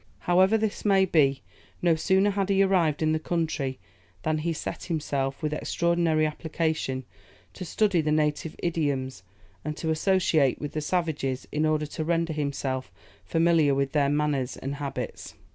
However this may be, no sooner had he arrived in the country, than he set himself, with extraordinary application, to study the native idioms, and to associate with the savages in order to render himself familiar with their manners and habits.